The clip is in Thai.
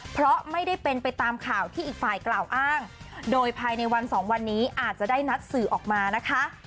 เพราะไม่ได้เป็นไปตามข่าวที่อีกฝ่ายกล่าวอ้างโดยภายในวันสองวันนี้อาจจะได้นัดสื่อออกมานะคะ